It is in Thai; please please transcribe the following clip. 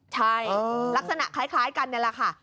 ใช่ลักษณะคล้ายกันนี่แหละค่ะ